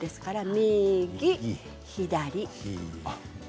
右左。